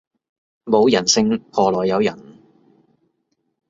冇人性何來有人